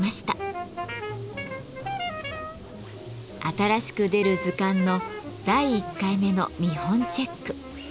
新しく出る図鑑の第１回目の見本チェック。